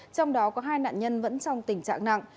trong đó có hai nạn nhân vẫn trong tình trạng nặng